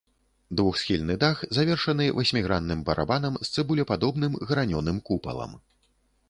Двухсхільны дах завершаны васьмігранным барабанам з цыбулепадобным гранёным купалам.